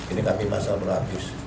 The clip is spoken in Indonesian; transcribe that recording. ini kami pasal berlapis